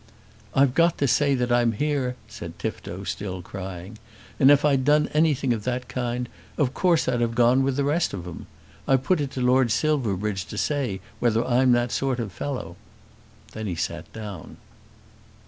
"I've got to say that I'm here," said Tifto, still crying, "and if I'd done anything of that kind, of course I'd have gone with the rest of 'em. I put it to Lord Silverbridge to say whether I'm that sort of fellow." Then he sat down.